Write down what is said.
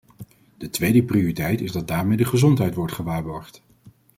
De tweede prioriteit is dat daarmee de gezondheid wordt gewaarborgd.